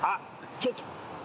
ちょっと。